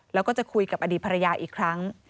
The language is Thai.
แล้วก็จะคุยกับอดีตภรรยาอีกครั้ง